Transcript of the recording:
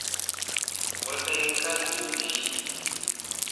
Mo ɗǝn kah hiŋ bii.